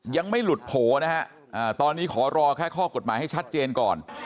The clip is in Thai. ยังไม่หลุดโผล่นะฮะตอนนี้ขอรอแค่ข้อกฎหมายให้ชัดเจนก่อน